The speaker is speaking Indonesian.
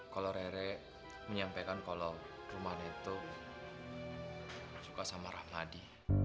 kalau rere menyampaikan kalau rumah itu suka sama rahmadi